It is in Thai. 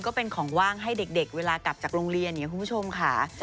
ก็เป็นของว่างให้เด็กเวลากลับจากโรงเรียนอย่างนี้คุณผู้ชมค่ะ